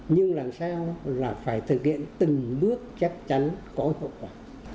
nhưng làm sao là phải thực hiện từng bước chắc chắn cố gắng